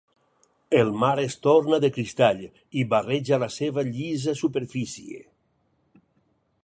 El mar es torna de cristall i barreja la seva llisa superfície.